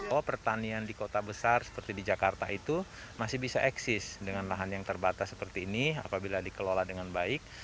oh pertanian di kota besar seperti di jakarta itu masih bisa eksis dengan lahan yang terbatas seperti ini apabila dikelola dengan baik